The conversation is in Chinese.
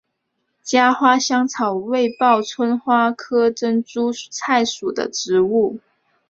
茄花香草为报春花科珍珠菜属的植物。